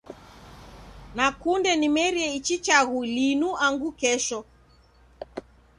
Nakunde nimerie ichi chaghu linu angu kesho.